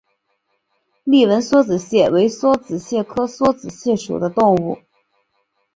丽纹梭子蟹为梭子蟹科梭子蟹属的动物。